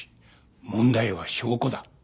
問題は証拠だ。